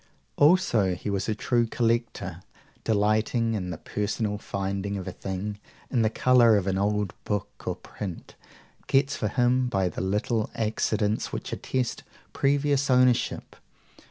Also, he was a true "collector," delighting in the personal finding of a thing, in the colour an old book or print gets for him by the little accidents which attest previous ownership.